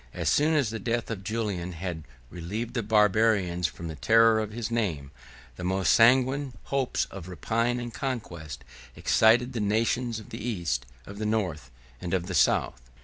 As soon as the death of Julian had relieved the Barbarians from the terror of his name, the most sanguine hopes of rapine and conquest excited the nations of the East, of the North, and of the South.